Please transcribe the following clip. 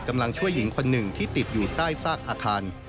กำลังช่วยหญิงคนหนึ่งที่ติดอยู่ใต้ซากอาคาร